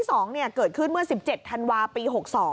ครั้งที่๒เกิดขึ้นเมื่อ๑๗ธันวาคมปี๖๒